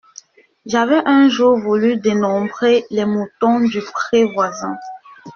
J’avais un jour voulu dénombrer les moutons du pré voisin.